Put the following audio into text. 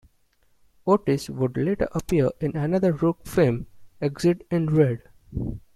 Otis would later appear in another Rourke film, "Exit in Red".